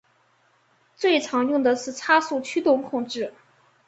最常用的是差速驱动控制。